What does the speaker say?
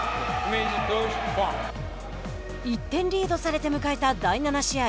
１点リードをされて迎えた第７試合。